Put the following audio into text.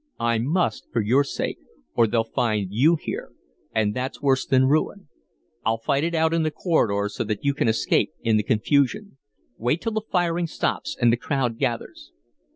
"I must for your sake, or they'll find you here, and that's worse than ruin. I'll fight it out in the corridors so that you can escape in the confusion. Wait till the firing stops and the crowd gathers."